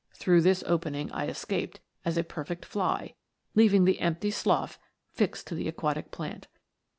Through this opening I escaped as a perfect fly, leaving the empty slough fixed to the aquatic plant.